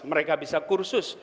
mereka bisa kursus